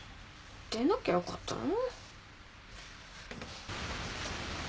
出なきゃよかったな。